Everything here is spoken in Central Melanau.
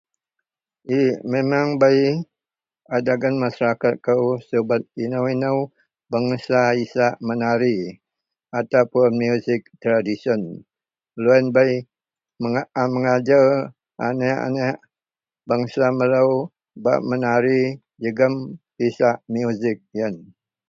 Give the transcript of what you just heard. Memang bei a dagen masyarakat kou subat inou-inou bangsa isak menari ataupun muzik tradisi lo yian bei mengajar aniek-aniek bangsa melo bak menari jegam pisak muzik yian.